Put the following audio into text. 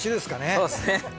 そうですね。